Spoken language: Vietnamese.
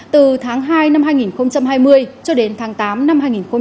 từ tháng hai năm hai nghìn hai mươi cho đến tháng tám năm hai nghìn hai mươi